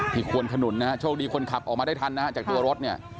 ควนขนุนนะฮะโชคดีคนขับออกมาได้ทันนะฮะจากตัวรถเนี่ย